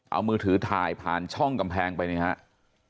เอามือถือถ่ายผ่านช่องกำแพงไปนะครับ